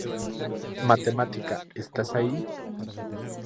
Matemática... ¿Estás ahí?